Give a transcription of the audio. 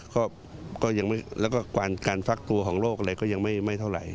ก็ยังไม่แล้วก็การฟักตัวของโรคอะไรก็ยังไม่เท่าไหร่